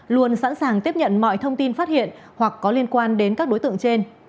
luôn sẵn sàng tiếp nhận mọi thông tin phát hiện hoặc có liên quan đến các đối tượng trên